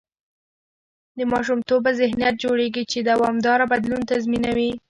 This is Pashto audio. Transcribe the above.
د ماشومتوبه ذهنیت جوړېږي، چې دوامداره بدلون تضمینوي.